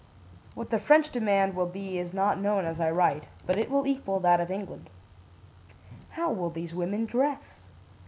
What the French demand will be is not known as I write, but it will equal that of England. "How will these women dress?